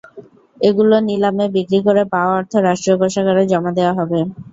এগুলো নিলামে বিক্রি করে পাওয়া অর্থ রাষ্ট্রীয় কোষাগারে জমা দেওয়া হবে।